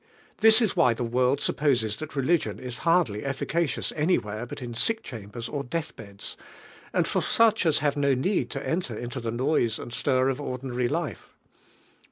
This is, why the world suppos es that religion is hardly efficacious any where but in sick chambers or death beds, and for such as hare no need to enter into the noise and stir of ordinary life.